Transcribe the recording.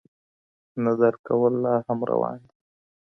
نه درک کول لا هم روان دي.